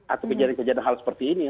atau kejadian kejadian hal seperti ini